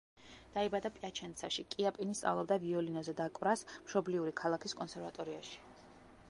დაიბადა პიაჩენცაში, კიაპინი სწავლობდა ვიოლინოზე დაკვრას მშობლიური ქალაქის კონსერვატორიაში.